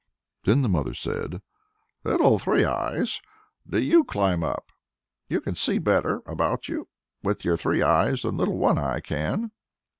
Then the mother said, "Little Three Eyes, do you climb up; you can see better about you with your three eyes than Little One Eye can."